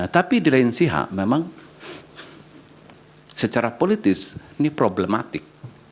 tapi di lain pihak memang secara politis ini problematik